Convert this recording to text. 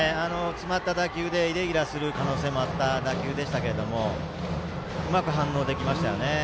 詰まった打球でイレギュラーする可能性もあった打球でしたけどうまく反応できましたね。